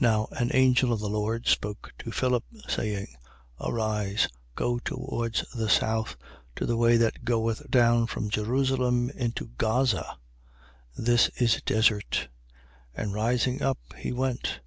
8:26. Now an angel of the Lord spoke to Philip, saying: Arise, go towards the south, to the way that goeth down from Jerusalem into Gaza: this is desert. 8:27. And rising up, he went.